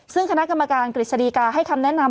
ซึ่งคณะกรรมการกฤษฎีกาให้คำแนะนำ